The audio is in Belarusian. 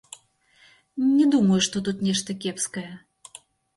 Не думаю, што тут нешта кепскае.